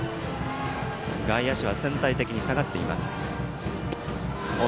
外野手は全体的に下がっています。